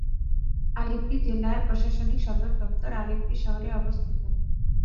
আলেপ্পি জেলার প্রশাসনিক সদর দপ্তর আলেপ্পি শহরে অবস্থিত।